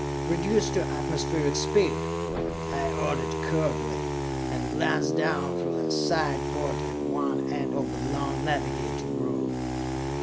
"Reduce to atmospheric speed," I ordered curtly, and glanced down through a side port at one end of the long navigating room.